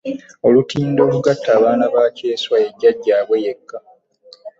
Olutindo olugatta abaana ba Kyeswa ye jjajjaabwe yekka.